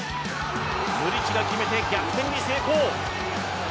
ムリチが決めて逆転に成功。